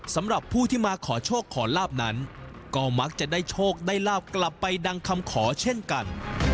สำหรับผู้ที่มาขอโชคขอลาบนั้นก็มักจะได้โชคได้ลาบกลับไปดังคำขอเช่นกัน